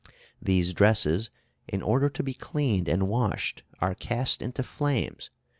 These dresses, in order to be cleaned and washed, are cast into flames....